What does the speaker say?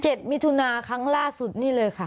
มิถุนาครั้งล่าสุดนี่เลยค่ะ